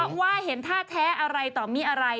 เพราะว่าเห็นท่าแท้อะไรต่อมีอะไร